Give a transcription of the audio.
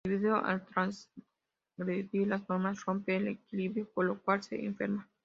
El individuo al transgredir las normas, rompe el equilibrio, por lo cual se enferma.